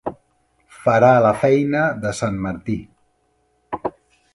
Farà la feina de sant Martí.